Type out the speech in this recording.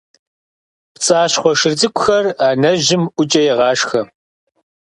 ПцӀащхъуэ шыр цӀыкӀухэр анэжьым ӀукӀэ егъашхэ.